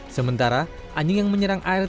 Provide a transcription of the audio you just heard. sementara anjing yang menyerang air